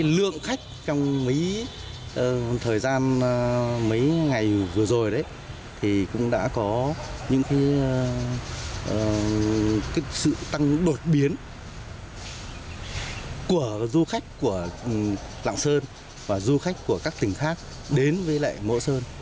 lượng khách trong mấy thời gian mấy ngày vừa rồi đấy thì cũng đã có những sự tăng đột biến của du khách của lạng sơn và du khách của các tỉnh khác đến với lại mẫu sơn